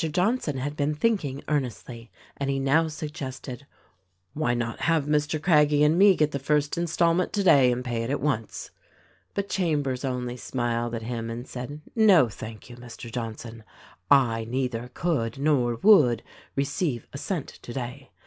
Johnson had been thinking earnestly, and he now THE RECORDING ANGEL 163 suggested, "Why not have Mr. Craggie and me get the first installment today and pay it at once?'' But Chambers only smiled at him and said, "No, thank you, Mr. Johnson, I neither could nor would receive a cent today.